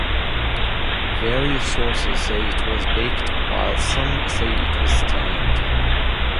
Various sources say it was baked while some say steamed.